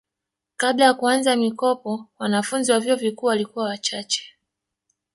kabla ya kuanza mikopo wananfunzi wa vyuo vikuu walikuwa wachache